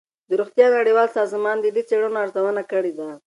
د روغتیا نړیوال سازمان د دې څېړنو ارزونه کړې ده.